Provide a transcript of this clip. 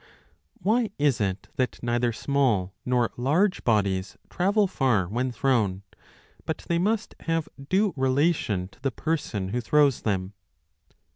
WHY is it that neither small nor large bodies travel 34 25 far when thrown, but they must have due relation to the person who throws them